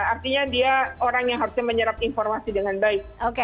artinya dia orang yang harusnya menyerap informasi dengan baik